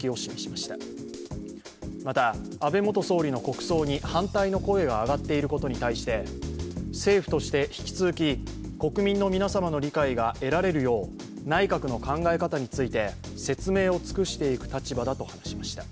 また、安倍元総理の国葬に反対の声が上がっていることに対して政府として引き続き国民の皆様の理解が得られるよう内閣の考え方について説明を尽くしていく立場だと話しました。